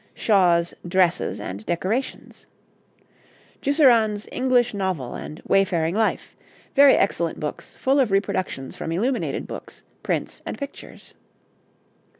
Shaw's 'Dresses and Decorations.' Jusserand's 'English Novel' and 'Wayfaring Life.' Very excellent books, full of reproductions from illuminated books, prints, and pictures.